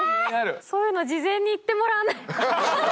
そういうの事前に言ってもらわないと。